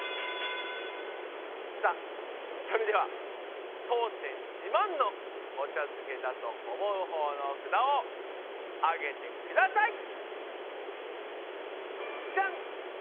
さあそれでは当店自慢のお茶漬けだと思うほうの札を上げてください！じゃん！